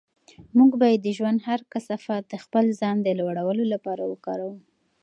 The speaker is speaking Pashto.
موږ باید د ژوند هر کثافت د خپل ځان د لوړولو لپاره وکاروو.